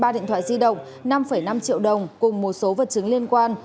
ba điện thoại di động năm năm triệu đồng cùng một số vật chứng liên quan